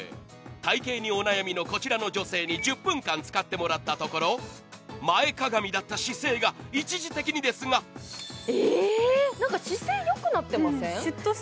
体型にお悩みのこちらの女性に１０分間使っていただいたところ、前かがみだった姿勢が、一時的にですがええっ、姿勢よくなってません？